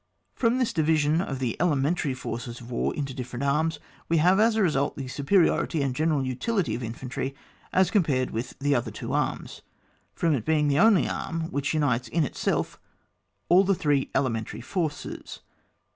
From this division of the elementary forces of war into different arms, we have as a result, the superiority and general utility of Infantry as compared with the other two arms, firom its being the only arm which unites in itself all the three elementary forces.